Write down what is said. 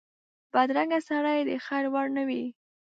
بدرنګه سړی د خیر وړ نه وي